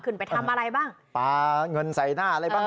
ขึ้นไปทำอะไรบ้างปลาเงินใส่หน้าอะไรบ้าง